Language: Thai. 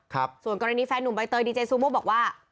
ส่วนกรณีแฟนหนุ่มใบเตยดีเจซูโม่บอกว่า